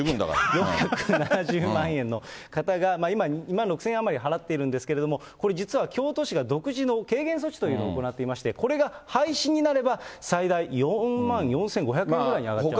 ４７０万円の方が、今、２万６０００円余り払っているんですけど、これ実は京都市が独自の軽減措置というのを行っていまして、これが廃止になれば、最大４万４５００円ぐらいに上がっちゃう。